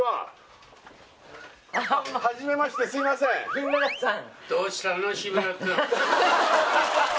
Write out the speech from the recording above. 日村さん